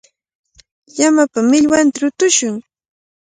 Llamapa millwanta rutushun.